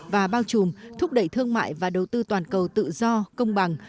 và bao trùm thúc đẩy thương mại và đầu tư toàn cầu tự do công bằng